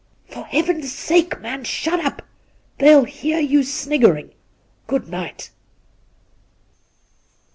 '' For Heaven's sake, man, shut up ! They'll hear you sniggering. Good night!'